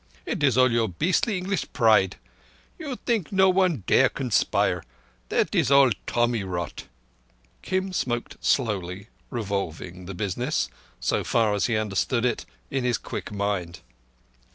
It is all your beastly English pride. You think no one dare conspire! That is all tommy rott." Kim smoked slowly, revolving the business, so far as he understood it, in his quick mind.